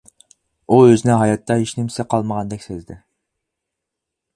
ئۇ ئۆزىنى ھاياتتا ھېچ نېمىسى قالمىغاندەك سەزدى.